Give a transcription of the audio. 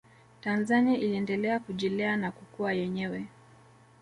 tanzania iliendelea kujilea na kukua yenyewe